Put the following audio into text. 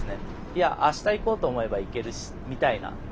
いやあした行こうと思えば行けるしみたいな。